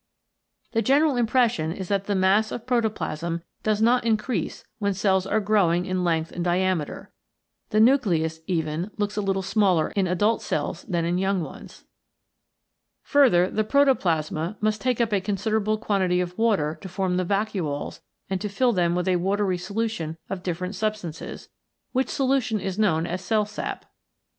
The general im pression is that the mass of protoplasm does not increase when cells are growing in length and diameter. The nucleus even looks a little smaller in adult cells than in young ones. Further, the protoplasma must take up a considerable quantity of water to form the vacuoles and to fill them with a watery solution of different substances, which solution is known as cell sap.